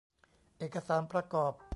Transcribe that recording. เอกสารประกอบ